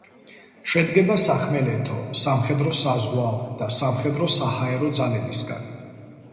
შედგება სახმელეთო, სამხედრო-საზღვაო და სამხედრო-საჰაერო ძალებისგან.